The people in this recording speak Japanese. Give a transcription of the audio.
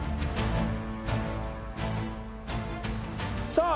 さあ